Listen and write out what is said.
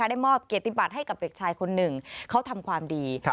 ได้มอบเกียรติบัติให้กับเด็กชายคนหนึ่งเขาทำความดี